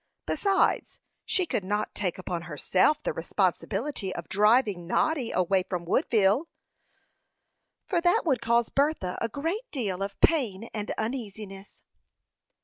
Besides, she could not take upon herself the responsibility of driving Noddy away from Woodville, for that would cause Bertha a great deal of pain and uneasiness.